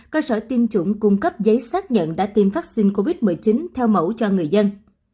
cơ sở tiêm chủng cung cấp giấy xác nhận đã tiêm vaccine covid một mươi chín theo mẫu cho người dân